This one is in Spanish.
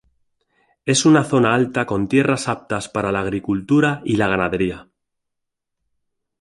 Es una zona alta con tierras aptas para la agricultura y la ganadería.